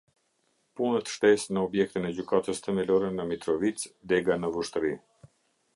Punët shtesë në objektin e gjykatës themelore ne mitrovicedega ne vushtrri